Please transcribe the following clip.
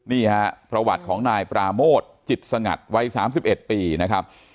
นี่ฮะประวัติของนายปราโมทจิตสงัดวัย๓๑ปีนะครับ